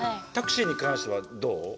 タクシーに関してはどう？